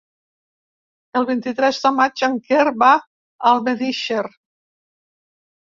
El vint-i-tres de maig en Quer va a Almedíxer.